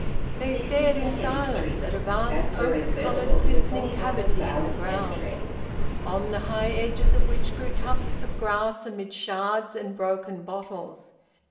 They stared in silence at a vast ochre's coloured glistening cavity in the ground, on the high edges of which grew tufts of grass amid shards and broken bottles.